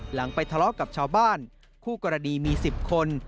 หลังไปทะเลาะกับชาวบ้านคู่กรณีมี๑๐คน